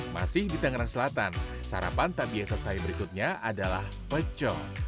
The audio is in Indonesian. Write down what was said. masih di tangerang selatan sarapan tapi yang tersahin berikutnya adalah pecoh